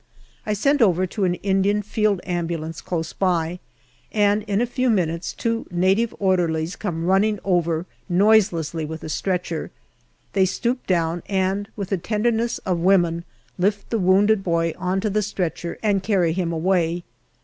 I send over to an Indian Field Ambulance close by, and in a few minutes two native orderlies come running over noiselessly with a stretcher. They stoop down, and with the tenderness of women lift the wounded boy on to the stretcher and carry him away.